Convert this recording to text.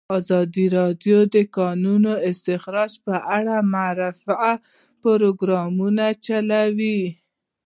ازادي راډیو د د کانونو استخراج په اړه د معارفې پروګرامونه چلولي.